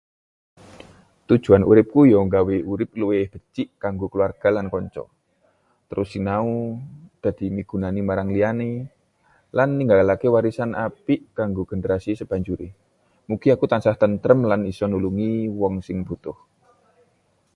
Tujuan uripku ya nggawe urip luwih becik kanggo kulawarga lan kanca, terus sinau, dadi migunani marang liyan, lan ninggalake warisan apik kanggo generasi sabanjure. Mugi aku tansah tentrem lan isa nulungi wong sing butuh.